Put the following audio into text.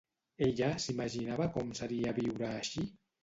Ella s'imaginava com seria viure així?